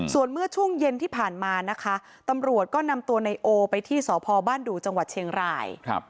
ส่วนเมื่อช่วงเย็นที่ผ่านมานะคะตำรวจก็นำตัวนายโอไปที่สพบ้านดูจังหวัดเชียงราย